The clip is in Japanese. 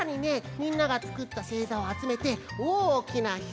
みんながつくったせいざをあつめておおきなひとつのよ